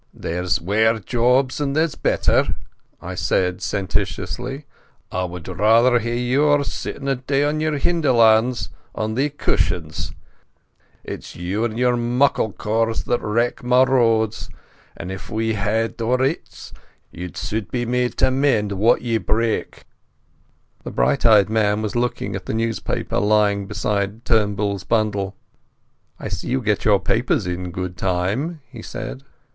"There's waur jobs and there's better," I said sententiously. "I wad rather hae yours, sittin' a' day on your hinderlands on thae cushions. It's you and your muckle cawrs that wreck my roads! If we a' had oor richts, ye sud be made to mend what ye break." The bright eyed man was looking at the newspaper lying beside Turnbull's bundle. "I see you get your papers in good time," he said.